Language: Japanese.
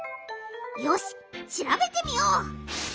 よししらべてみよう！